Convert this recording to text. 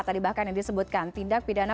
tadi bahkan yang disebutkan tindak pidana